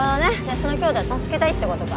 その兄妹を助けたいってことか。